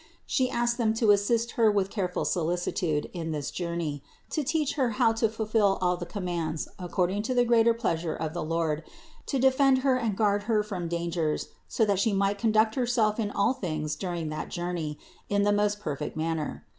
She asked them to assist Her with careful solicitude in this journey, to teach Her how to fulfill all the commands according to the greater pleasure of the Lord, to defend Her and guard Her from dangers so that She might conduct Herself in all things during that journey in the most perfect manner.